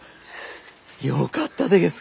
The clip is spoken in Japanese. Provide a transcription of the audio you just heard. よかったでげす！